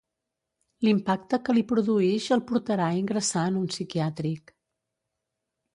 L'impacte que li produïx el portarà a ingressar en un psiquiàtric.